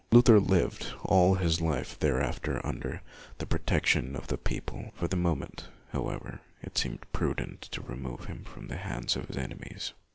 Luther lived all his days thereafter under the protec tion of the people. For the moment, however, it seemed prudent to remove him from the hands of his enemies.